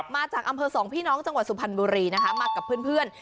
มาจากอำเภอสองพี่น้องจังหวัดสุพรรณบุรีนะคะมากับเพื่อน